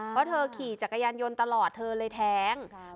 เพราะเธอขี่จักรยานยนต์ตลอดเธอเลยแท้ง